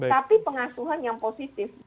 tapi pengasuhan yang positif